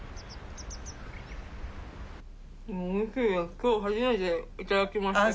今日初めていただきましたけど。